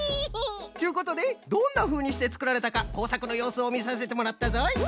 ちゅうことでどんなふうにしてつくられたかこうさくのようすをみさせてもらったぞい。